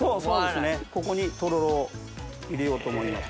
ここにとろろを入れようと思います。